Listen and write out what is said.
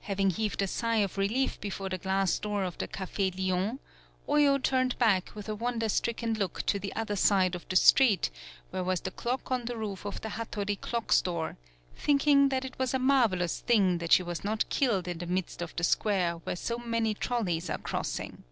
Having heaved a sigh of relief before the glass door of the Cafe Lion, Oyo turned back with a wonder stricken look to the other side of the street where was the clock on the roof of the Hattori clock store, thinking that it was a mar velous thing that she was not killed in the midst of the square where so many trolleys are crossing.